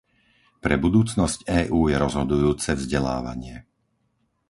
Pre budúcnosť EÚ je rozhodujúce vzdelávanie.